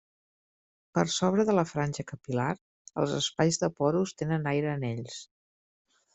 Per sobre de la franja capil·lar, els espais de porus tenen aire en ells.